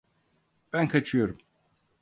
Ben kaçıyorum.